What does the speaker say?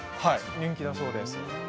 人気だそうです。